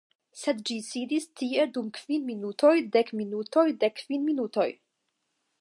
Sed ĝi sidis tie dum kvin minutoj, dek minutoj, dek kvin minutoj!